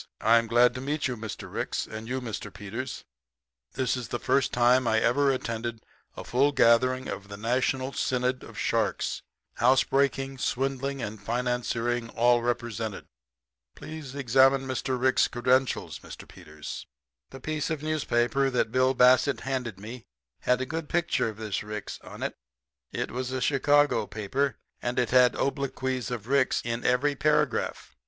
I'm glad to meet you, Mr. Ricks you and Mr. Peters. This is the first time I ever attended a full gathering of the National Synod of Sharks housebreaking, swindling, and financiering all represented. Please examine Mr. Rick's credentials, Mr. Peters.' "The piece of newspaper that Bill Bassett handed me had a good picture of this Ricks on it. It was a Chicago paper, and it had obloquies of Ricks in every paragraph.